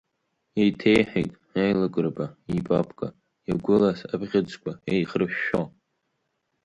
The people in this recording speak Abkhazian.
Еиҭеиҳәеит Аилакырба, ипапка иагәылаз абӷьыцқәа еихыршәшәо.